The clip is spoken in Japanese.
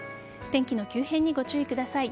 天気の急変にご注意ください。